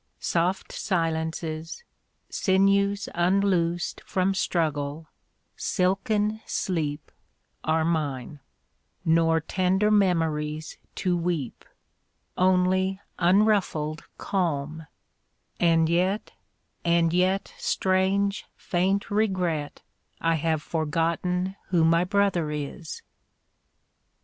Soft silences, Sinews unloosed from struggle, silken sleep, 27 Are mine; nor tender memories to weep. Only unruffled calm; and yet — and yet — Strange, faint regret — I have forgotten who my brother is!